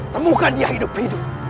temukan dia hidup hidup